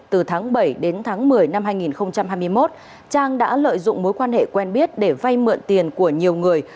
từ tháng bảy đến tháng một mươi năm hai nghìn hai mươi một trang đã lợi dụng mối quan hệ quen biết để vay mượn tiền của nhiều người